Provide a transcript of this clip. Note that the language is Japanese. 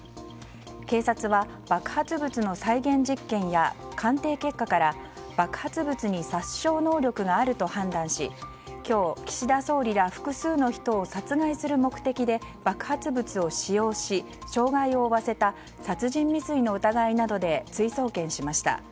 警察は爆発物の再現実験や鑑定結果から爆発物に殺傷能力があると判断し今日、岸田総理ら複数の人を殺害する目的で爆発物を使用し、傷害を負わせた殺人未遂の疑いなどで追送検しました。